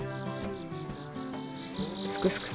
すくすくと。